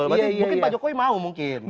mungkin pak jokowi mau mungkin